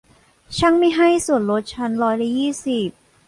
ช่างไม้ให้ส่วนลดฉันร้อยละยี่สิบ